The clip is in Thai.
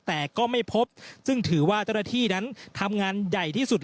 แต่ก็ไม่พบซึ่งถือว่าเจ้าหน้าที่นั้นทำงานใหญ่ที่สุด